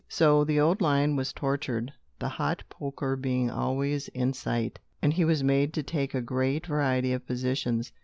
So the old lion was tortured the hot poker being always in sight and he was made to take a great variety of positions.